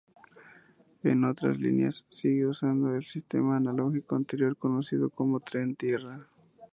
En otras líneas se sigue usando el sistema analógico anterior conocido como Tren-tierra.